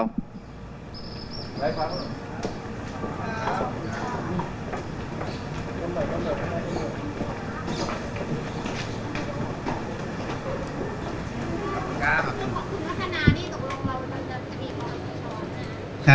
ใช่ใช่ใช่